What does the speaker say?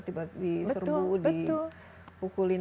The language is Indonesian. tiba tiba diserbu diukulin